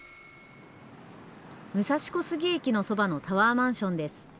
武蔵小杉駅のそばのタワーマンションです。